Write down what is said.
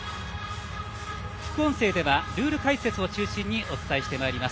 副音声ではルール解説を中心にお伝えしてまいります。